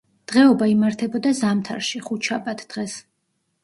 დღეობა იმართებოდა ზამთარში, ხუთშაბათ დღეს.